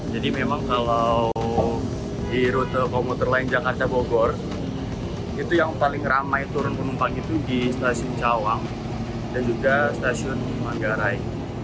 jadi memang kalau di rute komuter lain jakarta bogor itu yang paling ramai turun penumpang itu di stasiun cawang dan juga stasiun manggarai